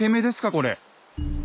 これ。